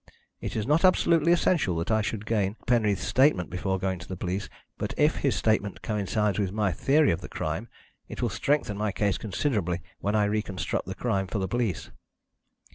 It is not absolutely essential that I should gain Penreath's statement before going to the police, but if his statement coincides with my theory of the crime it will strengthen my case considerably when I reconstruct the crime for the police."